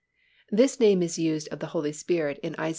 _ This name is used of the Holy Spirit in Isa.